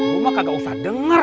lu mah kagak usah denger